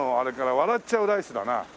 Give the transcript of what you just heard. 笑っちゃうライスだな。